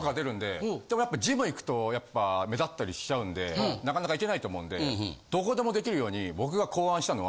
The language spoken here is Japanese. でもやっぱジム行くと目立ったりしちゃうんでなかなか行けないと思うんでどこでもできるように僕が考案したのは。